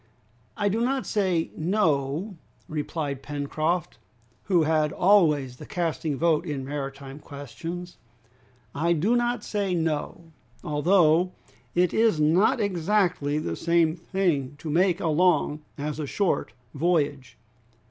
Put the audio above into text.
"I do not say no," replied Pencroft, who had always the casting vote in maritime questions; "I do not say no, although it is not exactly the same thing to make a long as a short voyage!